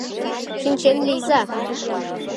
Шинчен лийза!